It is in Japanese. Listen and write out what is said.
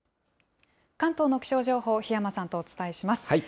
関東の気象情報、檜山さんとお伝えします。